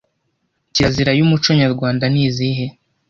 kirazira y’umuco nyarwanda nizihe.